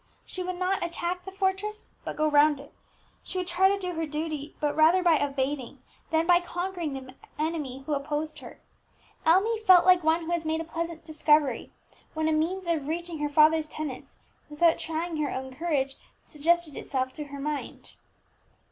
She would not attack the fortress, but go round it; she would try to do her duty, but rather by evading than by conquering the enemy who opposed her. Emmie felt like one who has made a pleasant discovery when a means of reaching her father's tenants, without trying her own courage, suggested itself to her mind.